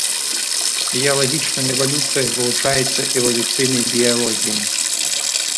Біялагічная эвалюцыя вывучаецца эвалюцыйнай біялогіяй.